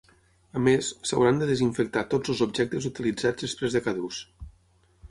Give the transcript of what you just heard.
A més, s’hauran de desinfectar tots els objectes utilitzats després de cada ús.